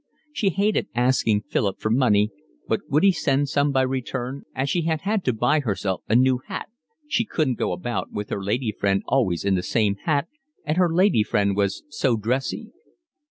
She hated asking Philip for money, but would he send some by return, as she had had to buy herself a new hat, she couldn't go about with her lady friend always in the same hat, and her lady friend was so dressy.